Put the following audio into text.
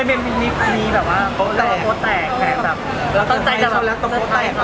ไม่ได้เจอในคุณหรอก